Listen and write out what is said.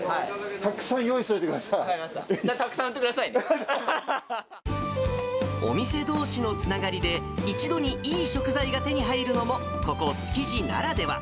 たくさん売っお店どうしのつながりで、一度にいい食材が手に入るのも、ここ築地ならでは。